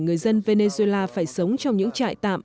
người dân venezuela phải sống trong những trại tạm